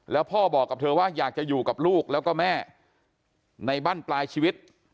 แล้วพ่อบอกกับเธอว่าอยากจะอยู่กับลูกแล้วก็แม่ในบ้านปลายชีวิต